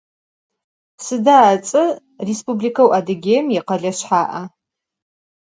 Sıda ıts'er Rêspublikeu Adıgêim yikhele şsha'e?